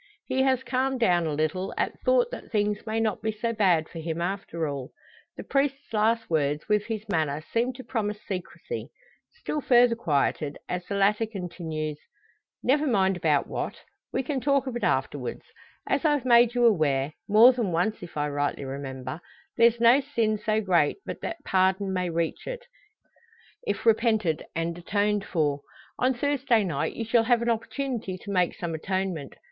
He has calmed down a little, at thought that things may not be so bad for him after all. The priest's last words, with his manner, seem to promise secrecy. Still further quieted as the latter continues: "Never mind about what. We can talk of it afterwards. As I've made you aware more than once, if I rightly remember there's no sin so great but that pardon may reach it if repented and atoned for. On Thursday night you shall have an opportunity to make some atonement.